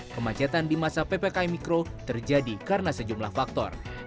kemacetan di masa ppkm mikro terjadi karena sejumlah faktor